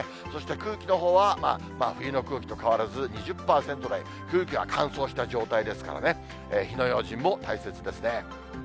そして空気のほうは、まあ、真冬の空気と変わらず２０％台、空気は乾燥した状態ですからね、火の用心も大切ですね。